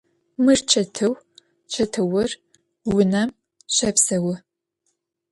Mır çetıu, çetıur vunem şepseu.